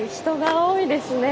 多いですね。